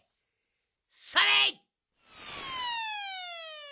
それ！